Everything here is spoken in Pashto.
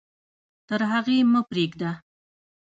تر هغې مه پرېږده.